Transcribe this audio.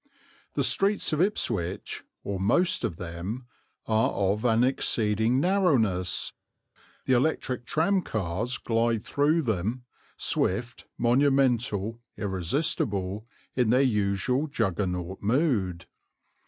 The streets of Ipswich, or most of them, are of an exceeding narrowness; the electric tramcars glide through them, swift, monumental, irresistible, in their usual Juggernaut mood.